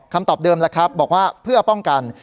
คำตอบเดิมแล้วครับบอกว่าเพื่อป้องกัน